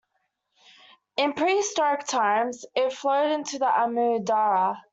In prehistoric times it flowed into the Amu Darya.